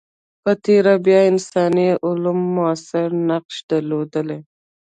په تېره بیا انساني علوم موثر نقش درلودلی.